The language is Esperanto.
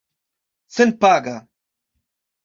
senpaga